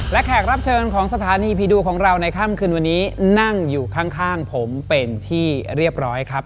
และแขกรับเชิญของสถานีผีดุของเราในค่ำคืนวันนี้นั่งอยู่ข้างผมเป็นที่เรียบร้อยครับ